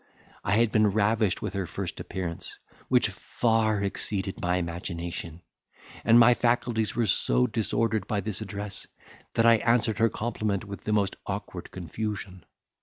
I had been ravished with her first appearance, which far exceeded my imagination, and my faculties were so disordered by this address, that I answered her compliment with the most awkward confusion.